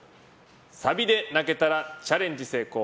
サビで泣けたらチャレンジ成功。